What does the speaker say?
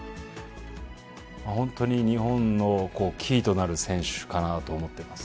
本当に日本のキーとなる選手かなと思っています。